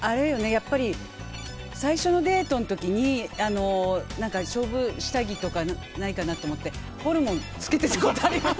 やっぱり最初のデートの時に勝負下着とかないかなと思ってホルモンつけていったことあります。